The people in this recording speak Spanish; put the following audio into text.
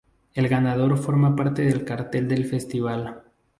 El ganador forma parte del cartel del festival.